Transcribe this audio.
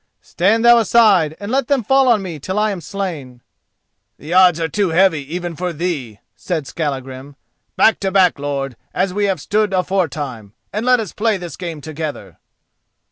Stand thou aside and let them fall on me till I am slain." "The odds are too heavy even for thee," said Skallagrim. "Back to back, lord, as we have stood aforetime, and let us play this game together."